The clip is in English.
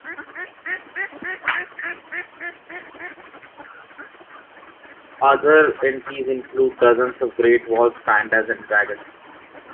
Other entries included dozens of Great Walls, pandas and dragons.